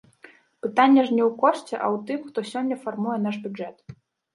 Пытанне ж не ў кошце, а ў тым, хто сёння фармуе наш бюджэт.